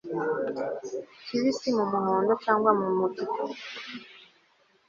kibisi, mu muhondo cyangwa mu mutuku